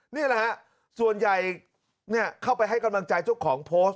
นี่แหละฮะส่วนใหญ่เข้าไปให้กำลังใจเจ้าของโพสต์